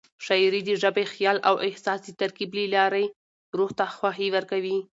شاعري د ژبې، خیال او احساس د ترکیب له لارې روح ته خوښي ورکوي.